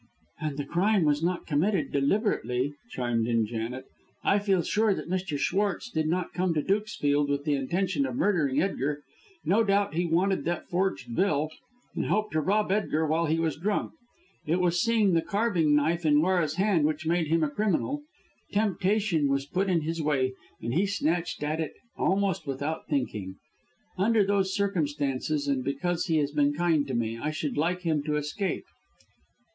"And the crime was not committed deliberately," chimed in Janet. "I feel sure that Mr. Schwartz did not come to Dukesfield with the intention of murdering Edgar. No doubt he wanted that forged bill, and hoped to rob Edgar while he was drunk. It was seeing the carving knife in Laura's hand which made him a criminal. Temptation was put in his way, and he snatched at it almost without thinking. Under these circumstances, and because he has been kind to me, I should like him to escape."